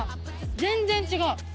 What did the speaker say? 全然違う。